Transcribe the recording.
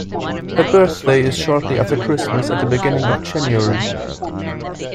Her birthday is shortly after Christmas, at the beginning of January